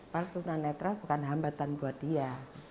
pak tuna netra bukan hambatan buat dia